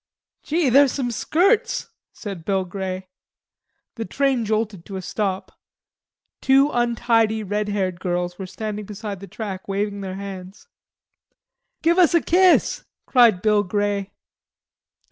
"Gee, there's some skirts," said Bill Grey. The train jolted to a stop. Two untidy red haired girls were standing beside the track waving their hands. "Give us a kiss," cried Bill Grey.